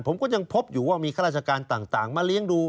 ผมก็ยังพบอยู่ว่ามีข้าราชการต่างมาเลี้ยงดู